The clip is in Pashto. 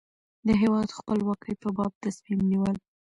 د هېواد خپلواکۍ په باب تصمیم نیول.